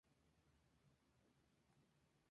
Calidad del agua